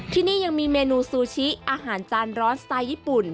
ที่นี่ยังมีเมนูซูชิอาหารจานร้อนสไตล์ญี่ปุ่น